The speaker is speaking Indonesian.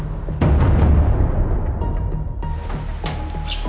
tidak ada yang tahu